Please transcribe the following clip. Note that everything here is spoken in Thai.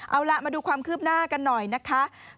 เอาล่ะมาดูความคืบหน้ากันหน่อยนะคะ